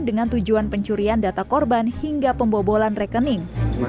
dengan tujuan pencurian data korban hingga pembobolan rekening